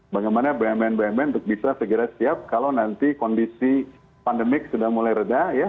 bagaimana bumn bumn untuk bisa segera siap kalau nanti kondisi pandemik sudah mulai reda ya